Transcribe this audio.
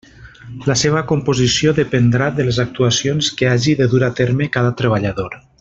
La seva composició dependrà de les actuacions que hagi de dur a terme cada treballador.